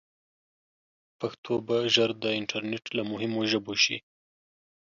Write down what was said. پښتو به ژر د انټرنیټ له مهمو ژبو شي.